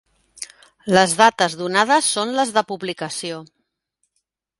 Les dates donades són les de publicació.